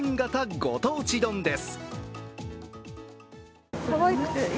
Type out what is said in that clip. ご当地丼です。